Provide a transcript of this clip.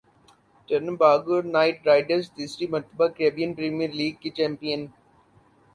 Trinbago Knight riders تیسری مرتبہ Caribbean premier league کی چیمپیئن